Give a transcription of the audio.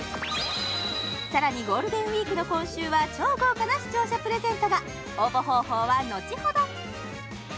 さらにゴールデンウイークの今週は超豪華な視聴者プレゼントが応募方法はのちほど！